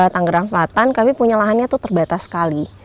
tanggerang selatan kami punya lahannya tuh terbatas sekali